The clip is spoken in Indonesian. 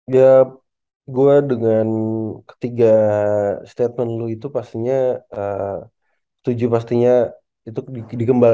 ya gue dengan ketiga statement lo itu pastinya tujuh pastinya itu digembal